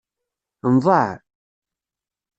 Nḍaε.